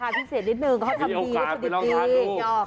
ราคาพิเศษนิดนึงเค้าทำดีด้วยคนเด็ก